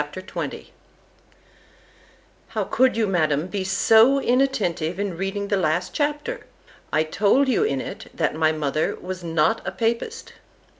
XX ——How could you, Madam, be so inattentive in reading the last chapter? I told you in it, _That my mother was not a papist.